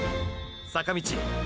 坂道！！